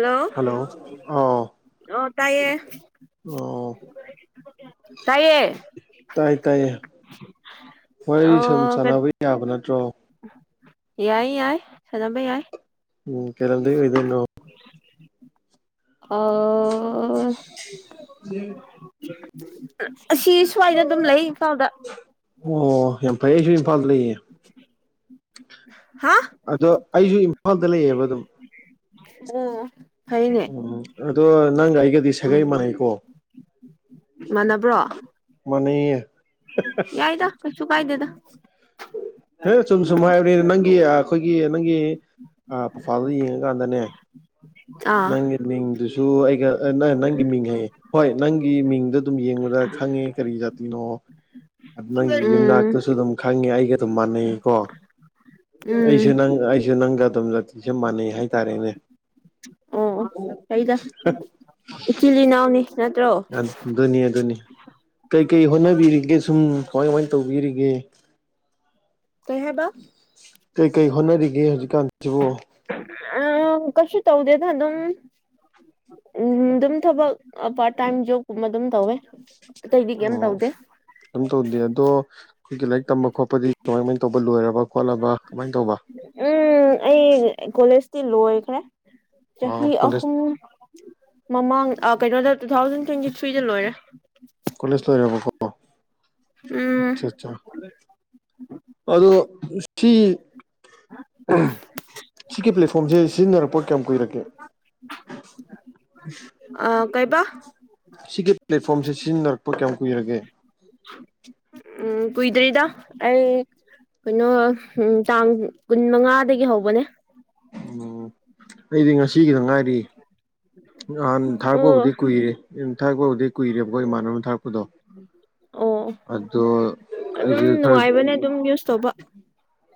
Hello hello ꯑꯦ ꯑꯣ ꯇꯌꯦ ꯇꯌꯦ ꯇꯥꯏ ꯇꯥꯏꯌꯦ ꯋꯥꯔꯤ ꯁꯨꯝ ꯑꯣ ꯆꯥꯟꯅꯕ ꯌꯥꯕ ꯅꯠꯇ꯭ꯔꯣ ꯌꯥꯏ ꯌꯥꯏ ꯁꯅꯕ ꯌꯥꯏ ꯎꯝ ꯀꯩꯂꯝꯗꯩ ꯑ‌ꯣꯏꯗ‌ꯣꯏꯅꯣ ꯑ ꯑꯁꯤ ꯁ꯭ꯋꯥꯏꯗ ꯑꯗꯨꯝ ꯂꯩ ꯏꯐꯥꯎꯗ ꯑꯣ ꯌꯥꯝ ꯐꯩꯌꯦ ꯑꯩꯁꯨ ꯏꯝꯐꯥꯜꯗ ꯂꯩꯌꯦ [inaudible] ꯑꯗꯣ ꯑꯩꯁꯨ ꯏꯝꯐꯥꯜꯗ ꯂꯩꯌꯦꯕ ꯑꯗꯨꯝ ꯑꯣ ꯐꯩꯅꯦ ꯎꯝ ꯑꯗꯣ ꯅꯪꯒ ꯑꯩꯒꯗꯤ ꯁꯥꯒꯩ ꯃꯥꯟꯅꯩꯀꯣ ꯃꯥꯟꯅꯕ꯭ꯔꯣ ꯃꯥꯟꯅꯩꯌꯦ ꯌꯥꯏꯗ ꯀꯩꯁꯨ ꯀꯥꯏꯗꯦꯗ ꯑꯦ ꯆꯝ ꯁꯨꯝ ꯍꯥꯏꯕꯅꯤ ꯅꯪꯒꯤ ꯑꯩꯈꯣꯏꯒꯤ ꯅꯪꯒꯤ ꯑ ꯄꯨꯐꯥꯜꯗ ꯌꯦꯡꯉꯀꯥꯟꯗꯅꯦ ꯑꯥ ꯅꯪꯒꯤ ꯃꯤꯡꯗꯨꯁꯨ ꯑꯩꯒ ꯅꯪꯒꯤ ꯃꯤꯡ ꯍꯥꯏꯌꯦ ꯍꯣꯏ ꯅꯪꯒꯤ ꯃꯤꯡꯗ ꯑꯗꯨꯝ ꯌꯦꯡꯕꯅꯦ ꯈꯪꯉꯦ ꯀꯔꯤ ꯌꯥꯇ ꯅꯣ ꯅꯦꯒ ꯎꯝ ꯌꯨꯜꯇꯁꯨ ꯑꯗꯨꯝ ꯑꯩꯒ ꯑꯗꯨꯝ ꯃꯥꯟꯅꯩ ꯎꯝ ꯑꯩꯁꯨ ꯅꯦꯒ ꯑꯩꯁꯨ ꯅ ꯃꯇꯝꯝ ꯖꯥꯇꯤꯁꯦ ꯃꯥꯟꯅꯩ ꯍꯥꯏꯇꯥꯔꯦꯅꯦ ꯑꯣꯗ ꯏꯆꯤꯂꯤ ꯅꯎꯅꯦ ꯑꯗꯨꯅꯤ ꯑꯗꯨꯅꯤ ꯀꯩꯀꯩ ꯍꯣꯠꯅꯕꯤꯔꯤꯒꯦ ꯁꯨꯝ ꯀꯃꯥꯏꯃꯥꯏꯅ ꯇꯧꯕꯤꯔꯤꯒꯦ ꯀꯩꯍꯥꯏ ꯕ ꯀꯩꯀꯩ ꯍꯣꯠꯅꯔꯤꯒꯦ ꯍꯧꯖꯤꯛꯀꯥꯟꯁꯤꯕꯨ ꯀꯁꯨ ꯇꯧꯗꯦ ꯑꯗꯨ ꯎꯝ ꯑꯗꯨꯝ ꯊꯕꯛ ꯄꯥꯔꯠ ꯇꯥꯏꯝ ꯖꯣꯕ ꯀꯨꯝꯕ ꯑꯗꯨꯝ ꯇꯧꯋꯦ ꯑꯇꯩꯗꯤ ꯀꯩꯝ ꯑꯣ ꯇꯧꯗꯦ ꯀꯝ ꯇꯧꯗꯦ ꯑꯗꯣ ꯑꯩꯈꯣꯏꯒꯤ ꯂꯥꯏꯔꯤꯛ ꯇꯝꯕ ꯈꯣꯠꯄꯗꯤꯉ ꯑꯇꯣꯞꯄ ꯂꯣꯏꯔꯕ ꯈꯣꯠꯂꯕ ꯀꯃꯥꯏꯅ ꯇꯧꯕ ꯎꯝ ꯑꯩ ꯀꯣꯂꯦꯖ ꯂꯣꯑꯣ ꯑꯩꯈꯦ ꯑ ꯆꯍꯤ ꯀꯣꯂꯦꯖ ꯑꯍꯨꯝ ꯃꯃꯥꯡ ꯀꯩꯅꯣꯗ ꯇꯨ ꯊꯥꯎꯖꯟ ꯇ꯭ꯋꯦꯟꯇꯤ ꯊ꯭ꯔꯤꯗ ꯂꯣꯏꯔꯦ ꯎꯝ ꯑꯆꯥ ꯑꯆꯥ ꯑꯗꯨ ꯑꯗꯨꯣ ꯁꯤ ꯁꯤꯒꯤ ꯄ꯭ꯂꯦꯠꯐꯣꯝꯁꯦ ꯁꯤꯖꯤꯟꯅꯔꯛꯄ ꯀꯌꯥꯝ ꯀꯨꯏꯔꯛꯒꯦ ꯑ ꯀꯩꯕ ꯁꯤꯒꯤ ꯄ꯭ꯂꯦꯠꯐꯣꯝꯁꯦ ꯁꯤꯖꯤꯟꯅꯔꯛꯄ ꯀꯌꯥꯝ ꯀꯨꯏꯔꯒꯦ ꯎꯝ ꯀꯏꯗꯔꯤꯗ ꯑꯦ ꯀꯩꯅꯣ ꯇꯥꯡ ꯀꯨꯟ ꯃꯉꯥꯗꯒꯤ ꯍꯧꯕꯅꯦ ꯎꯝ ꯑꯩꯗꯤ ꯉꯁꯤꯒꯤꯗ ꯉꯥꯏꯔꯤ ꯅꯍꯥꯟ ꯑꯣ ꯊꯥꯔꯛꯄꯕꯨꯖꯤꯗꯤ ꯀꯨꯏꯔꯦ ꯊꯥꯛꯛꯄ ꯍꯧꯖꯤꯗꯤ ꯀꯨꯏꯔꯦꯕꯀꯣ ꯏꯃꯥꯟꯅꯕꯅ ꯊꯥꯔꯛꯄ ꯗꯣ ꯑꯣ ꯑꯗꯣ ꯑꯗꯨꯝ ꯑꯩꯁꯦ ꯈꯔ ꯅꯨꯡꯉꯥꯏꯕꯅꯦ ꯑꯗꯨꯝ ꯌꯨꯁ ꯇꯧꯕ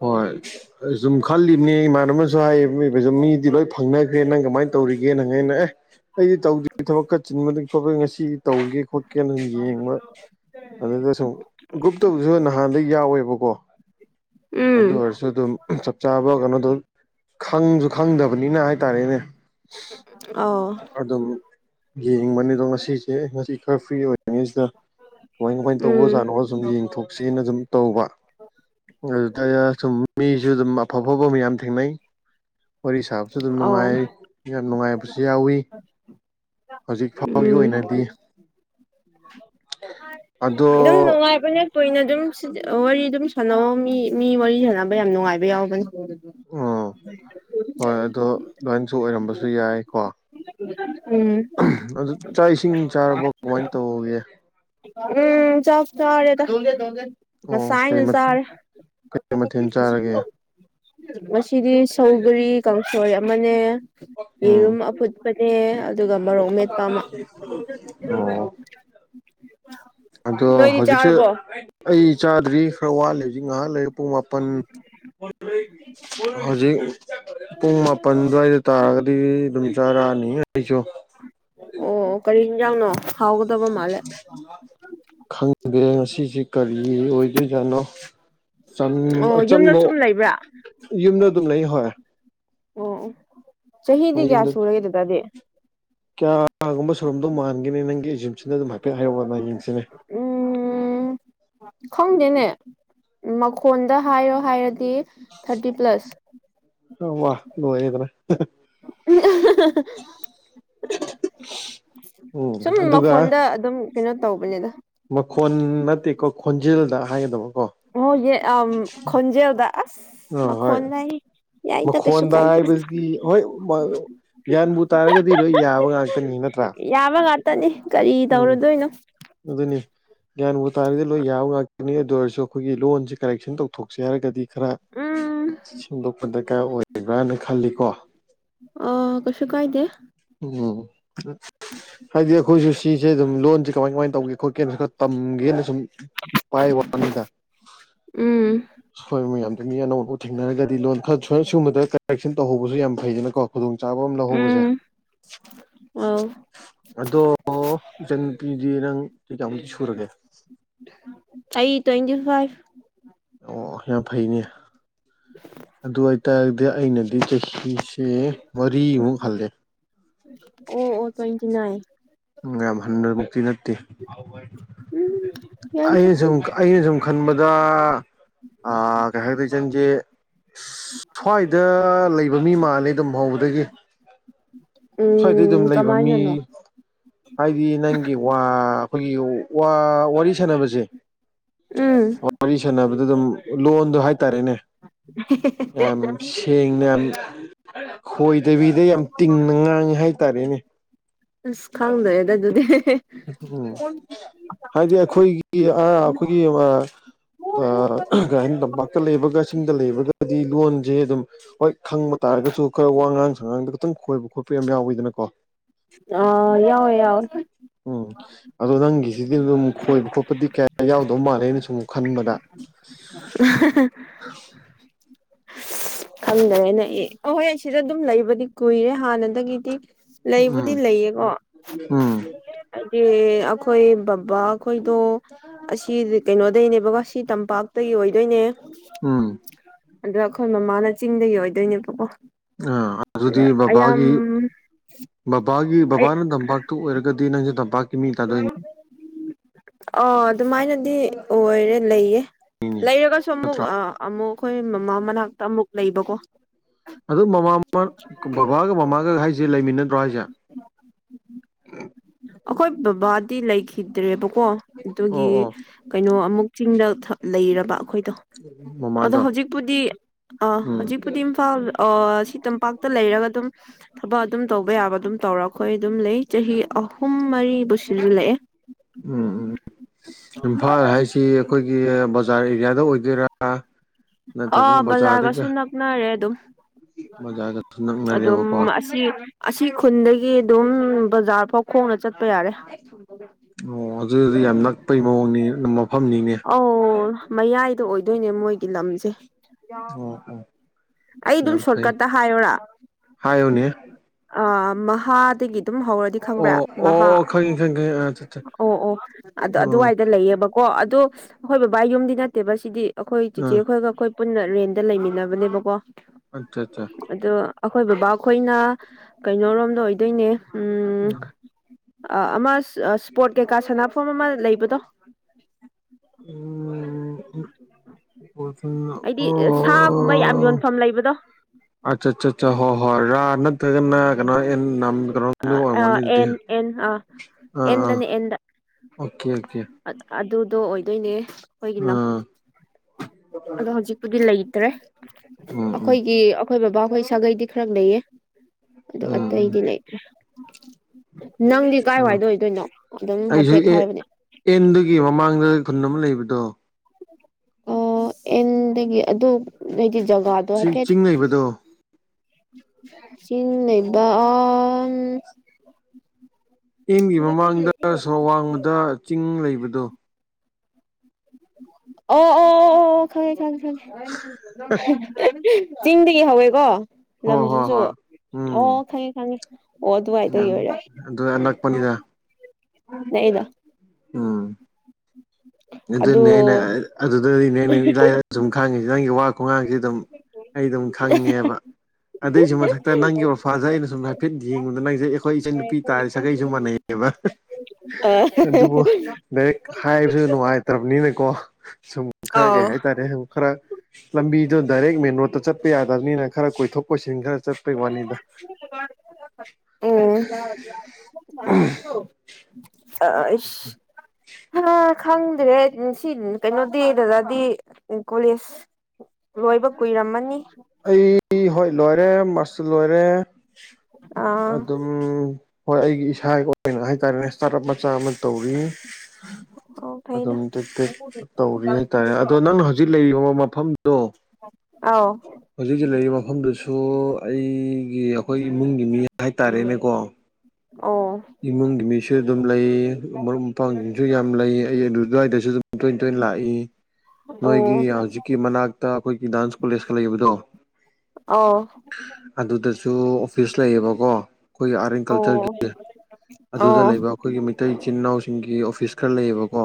ꯍꯣꯏ ꯁꯨꯝ ꯈꯜꯂꯤꯕꯅꯤ ꯏꯃꯥꯟꯅꯕꯨ ꯍꯥꯏ ꯃꯤꯗꯤ ꯂꯣꯏ ꯐꯪꯅꯈ꯭ꯔꯦ ꯅꯪ ꯀꯃꯥꯏꯅ ꯇꯧ ꯇꯔꯤꯒꯦ ꯅꯩꯅ ꯑꯦ ꯑꯩꯗꯤ ꯇꯧꯗꯦ ꯊꯕꯛ ꯈ ꯆꯤꯟꯕꯄ ꯉꯁꯤ ꯇꯧꯒꯦ ꯀ ꯌꯦ ꯃ [unintelligible] [inaudible] ꯑꯗꯨꯗ ꯁꯨꯝ ꯒ꯭ꯔꯨꯞꯇꯕꯨꯁꯨ ꯅꯍꯥꯟꯗꯩ ꯌꯥꯎꯋꯦꯕꯀꯣ ꯑꯗꯨ ꯎꯝ ꯑꯣꯏꯔꯁꯨ ꯑꯗꯨꯝ ꯆꯞ ꯆꯥꯕ ꯀꯩꯅꯣꯗꯣ ꯈꯪꯁꯨ ꯈꯪꯗꯕꯅꯤꯅ ꯍꯥꯏ ꯍꯥꯏ ꯇꯥꯔꯦꯅꯦ ꯑꯧ ꯑꯗꯨꯝ ꯌꯦꯡꯕꯅꯤ ꯑꯗꯣ ꯉꯁꯤꯁꯦ ꯉꯁꯤ ꯈꯔ ꯐ꯭ꯔꯤ ꯑꯣꯏꯔꯤꯉꯩꯁꯤꯗ ꯀꯃꯥꯏ ꯀꯃꯥꯏꯅ ꯇꯧꯕ ꯎꯝ ꯑꯣꯖꯥꯠꯅꯣ ꯁꯨꯝ ꯌꯦꯡꯊꯣꯛꯁꯦꯅ ꯁꯨꯝ ꯇꯧꯕ ꯑꯗꯨ ꯁꯨꯝ ꯃꯤꯁꯨ ꯑꯗꯨꯝ ꯑꯐ ꯑꯐꯕ ꯃꯌꯥꯝ ꯊꯦꯡꯅꯩ ꯋꯥꯔꯤ ꯁꯥꯕꯁꯨ ꯑꯗꯨꯝ ꯑꯧ ꯅꯨꯡꯉꯥꯏ ꯌꯥꯝ ꯅꯨꯡꯉꯥꯏꯕꯁꯨ ꯌꯥꯎꯋꯤ ꯍꯧꯖꯤꯛ ꯐꯥꯎꯒꯤ ꯎꯝ ꯑꯣꯏꯅꯗꯤ [unintelligible] [inaudible] ꯑꯗꯨ ꯑꯗꯣ ꯅꯅꯨꯡꯉꯥꯏ ꯑꯅ ꯇꯣꯏꯅ ꯑꯗꯨꯝ ꯋꯥꯔꯤ ꯑꯗꯨꯝ ꯁꯥꯟꯅꯕ ꯃꯤ ꯃꯤ ꯋꯥꯔꯤ ꯁꯥꯟꯅꯕ ꯌꯥꯝ ꯅꯨꯡꯉꯥꯏꯕ ꯌꯥꯎꯕꯅꯤ ꯑꯣ ꯍꯣꯏ ꯑꯗꯣ ꯂꯣꯏꯅꯁꯨ ꯑꯣꯏꯔꯝꯕꯁꯨ ꯌꯥꯏꯀꯣ ꯎꯝ ꯑꯗꯨ ꯆꯥꯛ ꯏꯁꯤꯡ ꯆꯥꯔꯕ ꯀꯃꯥꯏꯅ ꯇꯧꯒꯦ ꯎꯝ ꯆꯞ ꯆꯔꯦ ꯑꯣ ꯀꯩ ꯑꯁꯥꯏꯅ ꯃꯊꯦꯜ ꯆꯔꯦ ꯃꯊꯦꯜ ꯆꯥꯔꯒꯦ ꯃꯁꯤꯗꯤ ꯁꯧꯒꯔꯤ ꯀꯥꯡꯁꯣꯏ ꯑꯃꯅꯦ ꯌꯦꯔꯨꯝ ꯎꯝ ꯑꯐꯨꯠꯄꯅꯦ ꯑꯗꯨꯒ ꯃꯔꯣꯛ ꯃꯦꯠꯄ ꯑ [unintelligible] [inaudible] ꯑꯗꯣ ꯅꯣꯏꯗꯤ ꯍꯧꯖꯤꯛꯁꯦ ꯆꯥꯔꯕꯣ ꯑꯩ ꯆꯥꯗ꯭ꯔꯤ ꯈꯔ ꯋꯥꯠꯂꯦ ꯍꯧꯖꯤꯛ ꯉꯥꯏꯍꯥꯛ ꯂꯩꯔ ꯄꯨꯡ ꯃꯥꯄꯜ ꯍꯧꯖꯤꯛ ꯄꯨꯡ ꯃꯥꯄꯜ ꯑꯗꯨꯋꯥꯏꯗ ꯇꯥꯔꯒꯗꯤ ꯑꯗꯨꯝ ꯆꯔꯛꯑꯅꯤ ꯍꯥꯏꯖꯣ ꯅꯣ ꯍꯥꯎꯒ ꯈꯪꯒꯦ ꯉꯁꯤꯁꯤ ꯀꯔꯤ ꯑꯣꯏꯗꯣꯏꯖꯥꯠꯅꯣ ꯑꯣ ꯌꯨꯝꯗ ꯑꯆꯝꯕ ꯁꯨꯝ ꯂꯩꯕ꯭ꯔꯥ ꯌꯨꯝꯗ ꯑꯗꯨꯝ ꯂꯩ ꯍꯣꯏ ꯑꯣ ꯆꯍꯤꯗꯤ ꯀꯌꯥ ꯌꯨꯝꯗ ꯁꯨꯔꯒꯦ ꯑꯗꯨꯇꯥꯗꯤ ꯀꯌꯥꯒꯨꯝꯕ ꯁꯣꯔꯨꯝꯗꯣ ꯃꯥꯟꯒꯦꯅꯦ ꯅꯪꯒꯤ ꯑꯦꯖꯝꯁꯤꯅ ꯑꯗꯨꯝ ꯍꯥꯏꯐꯦꯠ ꯍꯥꯏꯔꯑꯣ ꯌꯦꯡꯁꯤꯅꯦ ꯎꯝ ꯈꯪꯗꯦꯅꯦ ꯃꯈꯣꯟꯗ ꯍꯥꯏꯌꯣ ꯍꯥꯏꯔ ꯊꯥꯔꯇꯤ ꯄ꯭ꯂꯁ ꯋꯥ ꯂꯣꯏꯗꯅ [inaudible] ꯎꯝ ꯁꯨꯝ ꯑꯗꯨꯒ ꯃꯈꯣꯟꯗ ꯑꯗꯨꯝ ꯀꯩꯅꯣ ꯇꯧꯕꯅꯤꯗ ꯈꯣꯟ ꯅꯠꯇꯦꯀꯣ ꯈꯣꯟꯖꯦꯜꯗ ꯍꯥꯏꯒꯗꯕ ꯀꯣ ꯑꯣ ꯌꯦ ꯑꯝ ꯈꯣꯟꯖꯦꯜꯗ ꯑꯁ ꯑꯥ ꯍꯣꯏ ꯃꯈꯣꯟ ꯌꯥꯏꯗ ꯀꯩꯁꯨ ꯃꯈꯣꯟꯗ ꯀꯥꯏꯗꯦ ꯍꯥꯏꯕꯗꯤ ꯍꯣꯏ ꯌꯥꯟꯕꯨ ꯇꯥꯔꯒꯗꯤ ꯂꯣꯏ ꯌꯥꯕ ꯉꯥꯛꯇꯅꯤ ꯅꯠ ꯌꯥꯕ ꯉꯥꯛꯇꯅꯤ ꯀꯔꯤ ꯇꯧꯔꯨꯗꯣꯏꯅꯣ ꯒ꯭ꯌꯥꯟꯒꯕ ꯇꯥꯔꯗꯤ ꯂꯣꯏ ꯌꯥꯕ ꯉꯥꯛꯇꯅꯤ ꯑꯗꯨ ꯑꯣꯏꯔꯁꯨ ꯑꯩꯈꯣꯏꯒꯤ ꯂꯣꯟꯁꯦ ꯀꯔꯦꯛꯁꯟ ꯇꯧꯊꯣꯛꯁꯤ ꯍꯥꯏꯔꯒꯗꯤ ꯈꯔ ꯁꯦꯝꯗꯣꯛꯄ ꯗꯔꯀꯥꯔ ꯑꯣꯏꯕ꯭ꯔꯥꯅ ꯈꯜꯂꯤꯀꯣ ꯑ ꯀꯁꯨ ꯀꯥꯏꯗ ꯎꯝ ꯍꯥꯏꯥꯏꯗꯤꯦ ꯈꯣꯏꯁꯤꯁꯤ ꯁꯤꯁꯦ ꯑꯗꯨꯝ ꯂꯣꯟꯁꯦ ꯀꯃꯥꯏ ꯀꯃꯥꯏꯅ ꯇꯧꯒꯦ ꯈꯣꯠꯀꯦꯅ ꯈꯔ ꯇꯝꯒꯦꯅ ꯁꯨꯝ ꯄꯥꯏ ꯋꯥꯅꯤꯗ ꯎꯝ ꯑꯩꯈꯣꯏ ꯃꯌꯥꯝꯗꯒꯤꯪꯅꯤ ꯑꯅꯧ ꯑꯅꯧꯕ ꯊꯦꯡꯅꯔꯒꯗꯤ ꯂꯣꯟ ꯈꯔ ꯁꯅ ꯁꯒꯨꯝꯕꯗ ꯀꯔꯦꯛꯁꯟ ꯇꯧꯍꯧꯕꯁꯨ ꯌꯥꯝ ꯐꯩꯗꯅꯀꯣ ꯈꯨꯗꯣꯡ ꯆꯥꯕ ꯑꯃ ꯂꯧꯍꯧꯕꯁꯦ ꯑꯥꯎ ꯑꯗꯣ ꯏꯆ ꯅꯨꯨꯄꯤꯗꯤ ꯅꯪ ꯀꯩ ꯀꯌꯥꯃꯨꯛꯇꯤ ꯁꯨꯔꯒꯦ ꯑꯩ ꯇ꯭ꯋꯦꯟꯇꯤ ꯐꯥꯏꯚ ꯑꯣ ꯌꯥꯝ ꯐꯩꯅꯦ ꯑꯗꯨ ꯍꯥꯏꯇꯥꯔꯗꯤ ꯑꯩꯅꯗꯤ ꯆꯍꯤꯁꯦ ꯃꯔꯤꯃꯨꯛ ꯍꯜꯂꯦ ꯑꯣ ꯑꯣ ꯇ꯭ꯋꯦꯟꯇꯤ ꯅꯥꯏꯟ ꯌꯥꯝ ꯍꯟꯗꯔ ꯃ [inaudible] ꯅꯠꯇ ꯎꯝ ꯌꯥꯏꯗ ꯑꯩꯅ ꯁꯨꯝ ꯑꯩꯅ ꯁꯨꯝ ꯈꯟꯕꯗ ꯑ ꯀꯩ [inaudible] ꯁ꯭ꯋꯥꯏꯗ ꯂꯩꯕ ꯃꯤ ꯃꯥꯜꯂꯦ ꯑꯗꯨꯝ ꯍꯧꯕꯗꯒꯤ ꯁ꯭ꯋꯥꯏꯗꯩ ꯑꯗꯨꯝ ꯎꯝ ꯂꯩꯕ ꯃꯤ ꯀꯃꯥꯏꯅꯅꯣ ꯍꯥꯏꯗꯤ ꯅꯪꯒꯤ ꯋꯥ ꯑꯩꯈꯣꯏꯒꯤ ꯋꯥꯔꯤ ꯁꯅꯕꯁꯦ ꯎꯝ ꯋꯥꯔꯤ ꯁꯅꯕꯗ ꯑꯗꯨꯝ ꯂꯣꯟꯗꯣ ꯍꯥꯏ ꯇꯥꯔꯦꯅꯦ ꯌꯥꯝ ꯁꯦꯡꯅ ꯌꯥꯝ ꯈꯣꯏꯗꯕꯤꯗ ꯌꯥꯝ ꯇꯤꯡꯅ ꯉꯥꯡꯉꯤ ꯍꯥꯏꯇꯥꯔꯦꯅꯦ ꯑꯁ ꯈꯪꯗꯔꯦꯗ ꯑꯗꯨꯗꯤ ꯎꯝ ꯍꯥꯏꯗꯤ ꯑꯩꯈꯣꯏꯒꯤ ꯑ ꯑꯩꯈꯣꯏꯒꯤ ꯂꯝꯄꯥꯛꯇ ꯂꯩꯕꯒꯁꯤꯡꯗ ꯂꯩꯕꯒꯗꯤ ꯂꯣꯟ ꯁꯦ ꯑꯗꯨꯝ ꯍꯣꯏ ꯈꯪꯕ ꯇꯥꯔꯒꯁꯨ ꯑꯩꯈꯣꯏ ꯋꯥꯉꯥꯡ ꯁꯉꯥꯡꯗ ꯈꯤꯇꯪ ꯈꯣꯏꯕ ꯈꯣꯠꯄ ꯌꯥꯝ ꯌꯥꯎꯋꯤꯗꯅꯀꯣ ꯑ ꯌꯥꯎ ꯌꯥꯑ ꯎꯝ ꯑꯗꯣ ꯅꯪꯒꯤꯁꯤꯗꯤ ꯑꯗꯨꯝ ꯈꯣꯏꯕ ꯈꯣꯠꯄꯗꯤ ꯀꯌꯥ ꯌꯥꯎꯗꯧ ꯃꯥꯜꯂꯦ ꯁꯨꯝ ꯈꯟꯕꯗ [unintelligible] ꯈꯪꯗꯔꯦꯅꯦ ꯑꯦ ꯑꯩꯍꯣꯏ ꯑꯩ ꯁꯤꯗ ꯑꯗꯨꯝ ꯂꯩꯕꯗꯤ ꯀꯨꯏꯔꯦ ꯍꯥꯟꯅꯗꯒꯤꯗꯤ ꯂꯩꯕꯨꯗꯤ ꯎꯝ ꯂꯩꯌꯦꯀꯣ ꯎꯝ ꯑꯦ ꯑꯩꯈꯣꯏ ꯕꯕꯥ ꯈꯣꯏꯗꯣ ꯑꯁꯤ ꯀꯩꯅꯣꯗꯒꯤꯩꯅꯦꯕꯀ ꯁꯤ ꯇꯝꯄꯥꯛꯇꯒꯤ ꯑꯣꯏꯗꯣꯏꯅꯦ ꯎꯝ ꯑꯗꯣ ꯑꯩꯈꯣꯏ ꯃꯃꯥꯅ ꯆꯤꯡꯗꯒꯤ ꯑꯣꯏꯗꯣꯏꯅꯦꯕꯀꯣ ꯑ ꯑꯗꯨꯗꯤ ꯑꯗ ꯑꯌꯥꯝ ꯕꯕꯥꯒꯤ ꯕꯕꯥꯒꯤ ꯑꯩ ꯕꯕꯥꯅ ꯇꯝꯄꯥꯛꯇ ꯑꯣꯏꯔꯒꯗꯤ ꯅꯪꯖꯨ ꯇꯝꯄꯥꯛ ꯑ ꯑꯗꯨꯃꯥꯏꯅꯗꯤ ꯑꯣꯏꯔꯦ ꯂꯩꯌꯦ ꯂꯩꯔꯒꯁꯨ ꯑꯃꯨꯛ ꯅꯠꯇ꯭ꯔꯥ ꯑꯃꯨꯛ ꯑꯩꯈꯣꯏ ꯃꯃꯥ ꯃꯅꯥꯛꯇ ꯑꯃꯨꯛ ꯂꯩꯕꯀꯣ ꯑꯗꯨ ꯃꯃꯥ ꯕꯕꯥꯒ ꯃꯃꯥꯒ ꯍꯥꯏꯁꯦ ꯂꯩꯃꯤꯟꯅꯗ꯭ꯔꯣ ꯍꯥꯏꯁꯦ ꯑ [inaudible] ꯑꯩꯈꯣꯏ ꯕꯕꯥꯗꯤ ꯂꯩꯈꯤꯗ꯭ꯔꯦꯕꯀꯣ ꯑꯣ ꯑꯗꯨꯒꯤ ꯑꯣ ꯀꯩꯅꯣ ꯑꯃꯨꯛ ꯆꯤꯡꯗ ꯂꯩꯔꯕ ꯑꯩꯈꯣꯏ [unintelligible] ꯑꯗꯣ ꯍꯧꯖꯤꯛꯄꯨꯗꯤ꯫ ꯑ ꯎꯝ ꯍꯧꯖꯤꯛꯄꯨꯗꯤ ꯏꯝꯐꯥꯜ ꯑ ꯁꯤ ꯇꯝꯄꯥꯛꯇ ꯂꯩꯔꯒ ꯑꯗꯨꯝ꯫ ꯊꯕꯛ ꯑꯗꯨꯝ ꯇꯧꯕ ꯌꯥꯕ ꯑꯗꯨꯝ ꯇꯧꯔ ꯑꯈꯣꯏ ꯑꯗꯨꯝ ꯂꯩ ꯆꯍꯤ ꯑꯍꯨꯝ ꯃꯔꯤꯕꯨ ꯁꯤꯖꯤꯜꯂꯛꯑꯦ ꯎꯝ ꯎꯝ ꯏꯝꯐꯥꯜ ꯍꯥꯏꯁꯤ ꯑꯩꯈꯣꯏ꯫ ꯑꯩ ꯕꯖꯥꯔ ꯑꯦꯔꯤꯌꯥꯗ ꯑꯣꯏꯒꯦꯔꯥ꯫ ꯑ ꯕꯖꯥꯔꯒꯁꯨ ꯅꯛꯅꯔꯦ ꯑꯗꯨꯝ꯫ ꯕꯖꯥꯔꯒꯁꯨ ꯑꯗꯨꯝ ꯅꯛꯅꯔꯦꯕꯀꯣ ꯑꯁꯤ ꯑꯁꯤ ꯈꯨꯟꯗꯒꯤ ꯗꯨꯝ ꯕꯖꯥꯔ ꯐꯧ ꯈꯣꯡꯅ ꯆꯠꯄ ꯌꯥꯔꯦ꯫ ꯑꯣ ꯑꯗꯨꯗꯤ ꯌꯥꯝ ꯅꯛꯄꯩ ꯃꯑꯣꯡꯅꯤ ꯃꯥ ꯑꯧ ꯃꯌꯥꯏꯗ ꯑꯣꯏꯗꯣꯏꯅꯦ ꯃꯣꯏꯒꯤ ꯂꯝꯁꯦ ꯑꯣ ꯑꯣ ꯑꯩ ꯑꯗꯨꯝ ꯌꯥꯝ ꯐꯩ ꯁꯣꯔꯠꯀꯠꯇ ꯍꯥꯏꯔꯔꯥ ꯍꯥꯏꯌꯨꯅꯦ ꯑ ꯃꯍꯥꯗꯒꯤ꯫ ꯑꯗꯨꯝ ꯍꯧꯔꯗꯤ ꯈꯪꯕ꯭ꯔꯥ ꯑꯣ ꯃꯍꯥꯛ ꯑꯣ ꯈꯪꯉꯤ ꯈꯪꯉꯤ ꯈꯪꯉꯤ ꯑꯠꯆꯥ ꯆꯥ ꯑꯣ ꯑꯣ ꯑꯗꯣ ꯑꯣ ꯑꯗꯨꯋꯥꯏꯗ ꯂꯩꯌꯦꯕ꯫ ꯀꯣ ꯑꯗꯣ ꯑꯩꯈꯣꯏ ꯕꯕꯥ ꯌꯨꯝꯗꯤ ꯅꯠꯇꯦꯕ ꯁꯤꯗꯤ ꯑꯩꯈꯣꯏ ꯑꯥ ꯆꯤꯆꯦꯈꯣꯏꯒ ꯑꯩꯈꯣꯏ ꯄꯨꯟꯅ ꯔꯦꯟꯗ ꯂꯩꯃꯤꯟꯅꯕꯅꯦꯕꯀꯣ ꯑꯆꯥ ꯑꯆꯥ꯫ ꯑꯈꯣꯏ ꯕꯕꯥ ꯈꯣꯏꯅ ꯀꯩꯅꯣꯔꯣꯝꯗ ꯑꯣꯏꯗꯣꯏꯅꯦ ꯎꯝ ꯑ ꯑꯃ ꯏꯁꯄꯣꯔꯇ ꯀꯩꯀꯥ ꯁꯅꯐꯝ ꯑꯃ ꯂꯩꯕꯗꯣ ꯎ ꯎ ꯑꯣ ꯍꯥꯏꯗꯤ ꯁꯥꯒꯨꯝꯕ ꯌꯥꯝ ꯑꯣ꯫ ꯌꯣꯟꯐꯝ ꯂꯩꯕꯗꯣ ꯑꯆꯥ ꯑꯠꯆꯥ ꯑꯆꯥ ꯍꯣ ꯍꯣꯏ ꯔ ꯅꯠ ꯅꯟꯅ ꯀꯩꯅꯣꯟ ꯅ ꯀꯩꯅꯣ ꯑꯣꯏꯔꯝꯃꯅꯤ ꯑꯗꯨꯗꯤ꯫ ꯑꯥ ꯑꯦꯟ ꯑꯥ ꯗꯅꯦ ꯑꯦꯟ ꯗ ꯑꯣꯀꯦ ꯑꯣꯀꯦ ꯑꯗꯨꯗꯣ ꯑꯣꯏꯗꯣꯏꯅꯦ ꯑꯩꯈꯣꯏꯒꯤ ꯂꯝ꯫ ꯑꯥ ꯑꯗꯣ ꯍꯧꯖꯤꯛꯄꯨꯗꯤ ꯂꯩꯇ꯭ꯔꯦ ꯎꯝ ꯎꯝ ꯑꯩꯈꯣꯏꯒꯤ ꯑꯩꯈꯣꯏ ꯕꯕꯥ꯫ ꯑꯩꯈꯣꯏ ꯁꯥꯒꯩꯗꯤ ꯈꯔ ꯂꯩꯌꯦ ꯑ ꯎꯝ ꯑꯇꯩꯗꯤ ꯂꯩꯇ꯭ꯔꯦ꯫ ꯅꯪꯗꯤ ꯎꯝ ꯀꯥꯏꯋꯥꯏꯗ ꯑꯣꯏꯗꯣꯅꯣ ꯑꯗꯨꯝ ꯑꯩꯁꯨ ꯍꯥꯏꯐꯦꯠ ꯑꯦ ꯍꯥꯏꯕꯅꯦ ꯑꯦꯟꯗꯨꯒꯤ ꯃꯃꯥꯡꯗ ꯈꯨꯟ ꯑꯃ ꯂꯩꯕꯗꯣ ꯑꯣ ꯑꯦꯟꯗꯒꯤ ꯑꯗꯨ ꯍꯥꯏꯗꯤ ꯖꯒꯥꯗꯣ ꯆꯤꯡ ꯍꯥꯏꯐꯦꯠ꯫ ꯆꯤꯡ ꯂꯩꯕꯗꯣ ꯆꯤꯡ ꯂꯩꯕ ꯑꯥ꯫ ꯏꯟꯒꯤ ꯃꯃꯥꯡꯗ ꯁꯣ ꯋꯥꯡꯃꯗ ꯆꯤꯡ ꯂꯩꯕꯗꯣ ꯑꯣ ꯑꯣ ꯑꯣ ꯈꯉꯦ ꯈꯪꯉꯦ ꯈꯪ ꯆꯤꯡꯗꯒꯤ ꯍꯧꯋꯦꯀꯣ ꯍꯣꯏ ꯍꯣꯏ ꯂꯝꯗꯨꯁꯨ ꯍꯣꯏ ꯑꯣ ꯈꯪꯉꯦ ꯈꯪꯉꯦ ꯑꯣ ꯎ ꯑꯗꯨꯋꯥꯏꯗꯒꯤ ꯑꯣꯏꯔꯦ ꯑꯗꯨ ꯑꯅꯛꯄꯅꯤꯗ ꯅꯛꯏꯗ ꯎꯝ ꯑꯗꯨ ꯑꯗꯨꯅꯦ ꯑꯩꯅ ꯑꯗꯨꯗꯗꯤꯅꯦ ꯅꯪ ꯏꯂꯥꯏ ꯁꯨꯝ ꯈꯪꯉꯤꯁꯤ ꯅꯪꯒꯤ꯫ ꯈꯣꯡꯒꯥꯡꯁꯤꯦ ꯑꯗꯨꯝ ꯑꯩ ꯑꯗꯨꯝ ꯈꯪꯉꯦꯕ꯫ ꯑꯗꯨꯏꯁꯨ ꯃꯊꯛꯇ ꯅꯪꯒꯤ ꯑꯣꯔꯐꯥꯥꯁꯦ ꯑꯩꯅ ꯁꯨꯝ ꯍꯥꯏꯐꯦꯠ ꯌꯦꯡꯕꯗ ꯅꯪꯁꯦ ꯑꯩꯈꯣꯏ ꯏꯆꯟ ꯅꯨꯄꯤ ꯇꯥꯔꯤ ꯁꯥꯒꯩꯁꯨ ꯃꯥꯟꯅꯩꯌꯦꯕ꯫ ꯑ ꯑꯗꯨꯕꯨ ꯗꯥꯏꯔꯦꯛ ꯍꯥꯏꯕꯁꯨ ꯅꯤꯅꯦꯀꯣ꯫ ꯁꯨꯝ ꯈꯔ ꯀꯩ ꯑꯥꯎ ꯍꯥꯏꯇꯥꯔꯦ ꯁꯨꯝ ꯈꯔ ꯂꯝꯕꯤꯗꯣ ꯗꯥꯏꯔꯦꯛ ꯃꯦꯟ ꯔꯣꯗꯇ ꯆꯠꯄ ꯌꯥꯗꯕꯅꯤꯅ ꯈꯔ ꯀꯣꯏꯊꯣꯛ ꯖꯤꯡ ꯈꯔ ꯆꯠꯄꯩ ꯋꯥꯅꯤꯗ ꯎꯝ [unintelligible] ꯑꯩꯁ꯫ ꯈꯪꯗ꯭ꯔꯦ ꯁꯤ ꯀꯩꯅꯣꯗꯤ ꯗꯗꯥꯗꯤ ꯀꯣꯂꯦꯖ꯫ ꯂꯣꯏꯕ ꯀꯨꯏꯔꯝꯃꯅꯤ꯫ ꯑꯩ ꯍꯣꯏ ꯂꯣꯏꯔꯦ ꯃꯁꯇ ꯂꯣꯏꯔꯦ ꯑꯥ ꯑꯗꯨꯝ ꯍꯣꯏ ꯑꯩꯒꯤ ꯏꯁꯥꯒꯤ ꯑꯣꯏꯅ ꯍꯥꯏꯇꯥꯔꯦꯅꯦ ꯏꯁꯇꯥꯔꯠ ꯑꯞ ꯃꯆꯥ ꯑꯃ ꯇꯧꯔꯤ꯫ ꯑꯣ ꯐꯩꯗ ꯑꯗꯨꯝ ꯇꯦꯛ ꯇꯦꯛ ꯇꯧꯔꯤ ꯍꯥꯏꯇꯥꯔꯦ ꯑꯗꯣ ꯅꯪꯅ ꯍꯧꯖꯤꯛ ꯂꯩꯔꯤꯕ꯫ ꯃꯐꯝꯗꯣ꯫ ꯑꯥꯎ ꯍꯧꯖꯤꯛ ꯍꯧꯖꯤꯛ ꯂꯩꯔꯤꯕ ꯃꯐꯝꯗꯨꯁꯨ ꯑꯩꯒꯤ ꯑꯩꯈꯣꯏ ꯏꯃꯨꯡꯒꯤ ꯃꯤ ꯍꯥꯏꯇꯥꯔꯦꯅꯦꯀꯣ ꯑꯣ ꯏꯃꯨꯡ ꯃꯤꯁꯣꯏꯗ ꯂꯩ ꯃꯔꯨꯞ ꯃꯄꯥꯡꯁꯤꯡꯁꯨ ꯌꯥꯝ ꯂꯩ ꯑꯩ ꯑꯗꯨ ꯑꯗꯨꯋꯥꯏꯗꯁꯨ ꯑꯗꯨꯝ ꯇꯣꯏ ꯇꯣꯏꯅ ꯂꯥꯛꯏ ꯑꯣ ꯅꯣꯏꯒꯤ ꯍꯧꯖꯤꯛꯀꯤ ꯃꯅꯥꯛꯇ ꯑꯩꯈꯣꯏꯒꯤ ꯗꯥꯟꯁ ꯀꯣꯂꯦꯖꯀ ꯂꯩꯕꯗꯣ ꯑꯧ ꯑꯗꯨꯗꯁꯨ ꯑꯣꯐꯤꯁ ꯂꯩꯌꯦꯕꯀꯣ ꯑꯩꯈꯣꯏꯒꯤ ꯑꯥꯔꯠ ꯑꯦꯟ ꯀꯜꯆꯔꯒꯤ ꯑꯗꯨꯗ ꯑꯣ ꯂꯩꯕ ꯑꯩꯈꯣꯏꯒꯤ ꯃꯩꯇꯩ ꯏꯆꯤꯟ ꯏꯅꯥꯎꯁꯤꯡꯒꯤ ꯑꯣꯐꯤꯁ ꯈꯔ ꯂꯩꯌꯦꯕꯀꯣ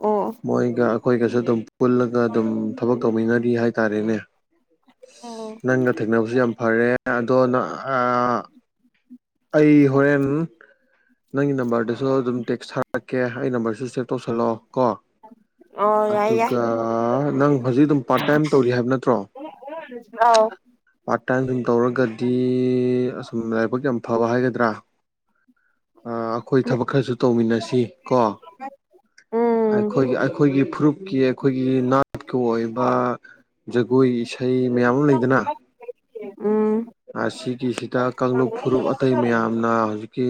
ꯑꯣ ꯃꯣꯏꯒ ꯑꯩꯈꯣꯏꯒꯁꯨ ꯑꯗꯨꯝ ꯄꯨꯜꯂꯒ ꯑꯗꯨꯝ ꯊꯕꯛ ꯇꯧꯃꯤꯟꯅꯔꯤ ꯍꯥꯏꯇꯥꯔꯦꯅꯦ꯫ ꯑꯣ ꯅꯪꯒ ꯊꯦꯡꯅꯕꯁꯨ ꯌꯥꯝ ꯐꯔꯦ꯫ ꯗꯣ ꯅ ꯑꯥ ꯑꯩ ꯍꯣꯔꯦꯟ ꯅꯪꯒꯤ ꯅꯝꯕꯔꯗꯁꯨ ꯑꯗꯨꯝ ꯇꯦꯛꯁ ꯊꯥꯔꯛꯀꯦ ꯑꯩ ꯅꯝꯕꯔꯁꯨ ꯁꯦꯞ ꯇꯧꯁꯜꯂꯣ꯫ ꯀꯣ ꯑꯣ ꯌꯥꯏ ꯌꯥꯏ ꯑꯗꯨꯒ ꯅꯪ ꯍꯧꯖꯤꯛ ꯑꯗꯨꯝ ꯄꯥꯔꯠ ꯇꯥꯏꯝ ꯇꯧꯔꯤ ꯍꯥꯏꯕ ꯅꯠꯇ꯭ꯔꯣ ꯑꯥꯎ [unintelligible] ꯇꯧꯔꯒꯗꯤ ꯑꯁꯨꯝ ꯂꯥꯏꯕꯛ ꯌꯥꯝ ꯐꯕ ꯍꯥꯏꯒꯗ꯭ꯔꯥ ꯑꯩꯈꯣꯏ ꯊꯕꯛ ꯈꯔꯁꯨ ꯇꯧꯃꯤꯟꯅꯁꯤ ꯀꯣ ꯎꯝ ꯑꯩꯈꯣꯏꯒꯤ ꯑꯩꯈꯣꯏꯒꯤ ꯐꯨꯔꯨꯞꯀꯤ ꯑꯩꯈꯣꯏꯒꯤ ꯅꯥꯠꯀꯤ ꯑꯣꯏꯕ ꯖꯒꯣꯏ ꯏꯁꯩ ꯃꯌꯥꯝ ꯑꯃ ꯂꯩꯗꯅ ꯎꯝ ꯑꯁꯤꯒꯤꯁꯤꯗ ꯀꯥꯡꯂꯨꯞ ꯐꯨꯔꯨꯞ ꯑꯇꯩ ꯃꯌꯥꯝꯅ ꯍꯧꯖꯤꯛꯀꯤ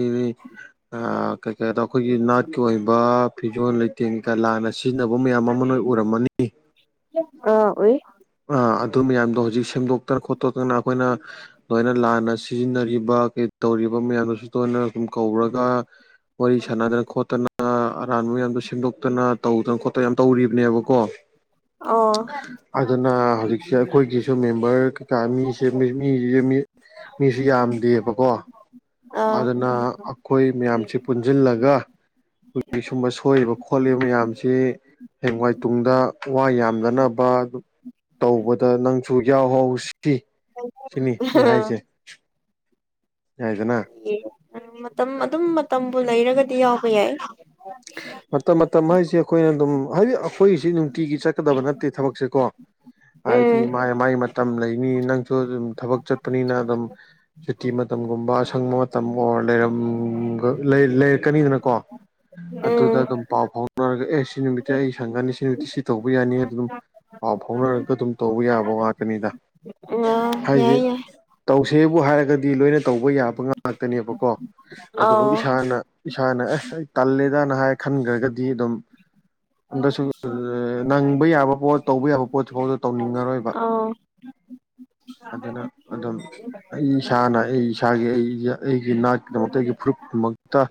ꯑ ꯀꯩ ꯀꯩꯗ ꯑꯩꯈꯣꯏꯒꯤ ꯅꯥꯠꯀꯤ ꯑꯣꯏꯕ ꯐꯣꯟ ꯂꯩꯇꯦꯡ ꯀ ꯂꯥꯟꯅ ꯁꯤꯖꯤꯟꯅꯕ ꯃꯌꯥꯝ ꯑꯃ ꯅꯣꯏ ꯎꯔꯝꯃꯅꯤ ꯑꯥ ꯑꯣꯏ ꯑꯗꯨ ꯃꯌꯥꯝꯗꯣ ꯍꯧꯖꯤꯛ ꯁꯦꯝꯗꯣꯛꯇꯅ ꯈꯣꯠꯇꯣꯛꯇꯅ ꯑꯩꯈꯣꯏꯅ ꯂꯣꯏꯅ ꯂꯥꯟꯅ ꯁꯤꯖꯤꯟꯅꯔꯤꯕ ꯀ ꯇꯧꯔꯤꯕ ꯃꯌꯥꯝꯗꯨꯁꯨ ꯇꯣꯏꯅ ꯁꯨꯝ ꯀꯧꯔꯒ ꯋꯥꯔꯤ ꯁꯥꯟꯅꯗꯅ ꯈꯣꯠꯇꯅ ꯑꯔꯥꯟꯕ ꯃꯌꯥꯝꯗꯣ ꯁꯦꯝꯗꯣꯛꯇꯅ ꯇꯧꯗꯅ ꯈꯣꯠꯇꯅ ꯌꯥꯝ ꯇꯧꯔꯤꯕꯅꯦꯕꯀꯣ꯫ ꯑꯣ ꯑꯗꯨꯅ ꯍꯧꯖꯤꯛꯁꯦ ꯑꯩꯈꯣꯏꯒꯤꯁꯨ ꯃꯦꯝꯕꯔ ꯀꯩꯀꯥ ꯃꯤ ꯃꯤ ꯃꯤꯁꯨ ꯌꯥꯝꯗꯦꯕꯀꯣ ꯑꯥ ꯑꯗꯨꯅ ꯑꯩꯈꯣꯏ ꯃꯌꯥꯝꯁꯤ ꯄꯨꯟꯁꯤꯜꯂꯒ ꯑꯩꯈꯣꯏꯒꯤ ꯁꯨꯝꯕ ꯁꯣꯏꯕ ꯈꯣꯠꯂꯤꯕ ꯃꯌꯥꯝꯁꯤ ꯍꯦꯡꯋꯥꯏ ꯇꯨꯡꯗ ꯋꯥ ꯌꯥꯝꯗꯅꯕ ꯑꯗꯨ ꯇꯧꯕꯗ ꯅꯪꯁꯨ ꯌꯥꯎꯍꯥꯎ ꯁꯤ ꯁꯤꯅꯤ ꯑꯩꯅ ꯍꯥꯏꯁꯩ ꯌꯥꯏꯗꯅ ꯃꯇꯝ ꯑꯗꯨꯝ ꯃꯇꯝꯕꯨ ꯂꯩꯔꯒꯗꯤ ꯌꯥꯎꯕ ꯌꯥꯏ ꯃꯇꯝ ꯃꯇꯝ ꯍꯥꯏꯁꯤ ꯑꯩꯈꯣꯏꯅ ꯑꯗꯨꯝ ꯍꯥꯏꯗꯤ ꯑꯩꯈꯣꯏꯒꯤꯁꯤ ꯅꯨꯡꯇꯤꯒꯤ ꯆꯠꯀꯗꯕ ꯅꯠꯇꯦ ꯊꯕꯛꯁꯦ ꯀꯣ ꯎꯝ ꯍꯥꯏꯗꯤ ꯃꯥꯏ- ꯃꯥꯏ ꯃꯇꯝ ꯂꯩꯅꯤ ꯅꯪꯁꯨ ꯑꯗꯨꯝ ꯊꯕꯛ ꯆꯠꯄꯅꯤꯅ ꯑꯗꯨꯝ ꯁꯨꯇꯤ ꯃꯇꯝꯒꯨꯝꯕ ꯑꯁꯪꯕ ꯃꯇꯝ ꯑꯣꯔ ꯂꯩꯔ ꯂꯩꯔꯛꯀꯅꯤꯗꯅꯀꯣ ꯑꯗꯨꯗ ꯑꯗꯨꯝ ꯎꯝ ꯄꯥꯎ ꯐꯥꯎꯅꯔꯒ ꯑꯦ ꯁꯤ ꯅꯨꯃꯤꯠꯇꯤ ꯑꯩ ꯁꯪꯒꯅꯤ ꯁꯤ ꯅꯨꯃꯤꯠꯇꯤ ꯁꯤ ꯇꯧꯕ ꯌꯥꯅꯤ ꯑꯗꯨꯝ ꯄꯥꯎ ꯐꯥꯎꯅꯔꯒ ꯑꯗꯨꯝ ꯇꯧꯕ ꯌꯥꯕ ꯉꯥꯛꯇꯅꯤꯗ꯫ ꯑꯥ ꯍꯥꯏꯁꯦ ꯌꯥꯏ ꯌꯥꯏ꯫ ꯇꯧꯁꯦꯕꯨ ꯍꯥꯏꯔꯒꯗꯤ ꯂꯣꯏꯅ ꯇꯧꯕ ꯌꯥꯕ ꯉꯥꯛꯇꯅꯦꯕꯀꯣ ꯑꯗꯨꯕꯨ ꯑꯥꯎ ꯏꯁꯥꯅ ꯏꯁꯥꯅ ꯑꯦ ꯇꯜꯂꯦꯗꯅ ꯍꯥꯏ ꯈꯟꯈ꯭ꯔꯒꯗꯤ ꯑꯗꯨꯝ ꯑꯗꯁꯨ ꯅꯪꯕ ꯌꯥꯕ ꯄꯣꯠ ꯇꯧꯕ ꯌꯥꯕ ꯄꯣꯠꯁꯤꯐꯥꯎꯗ ꯇꯧꯅꯤꯡꯉꯔꯣꯏꯕ ꯑꯣ [inaudible] ꯑꯗꯨꯅ ꯑꯗꯨꯝ ꯑꯩ ꯏꯁꯥꯅ ꯑꯩ ꯏꯁꯥꯒꯤ ꯑꯩ ꯑꯩꯒꯤ ꯅꯥꯠꯀꯤꯗꯃꯛꯇ ꯑꯩꯒꯤ ꯐꯨꯔꯨꯞ ꯃꯛꯇ